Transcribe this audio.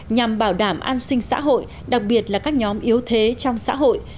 nhằm bảo đảm an sinh xã hội đặc biệt là các nhóm yếu thế trong xã hội